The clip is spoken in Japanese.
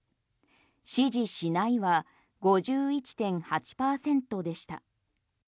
支持しないは５１．８％でした。